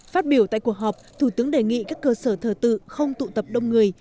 phát biểu tại cuộc họp thủ tướng đề nghị các cơ sở thờ tự không tụ tập đông người